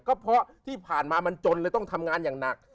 ก็เพราะที่ผ่านแล้วจนจนต้องทำงานหนัก